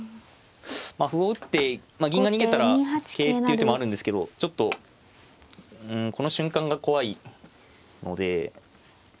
歩を打って銀が逃げたら桂っていう手もあるんですけどちょっとこの瞬間が怖いので。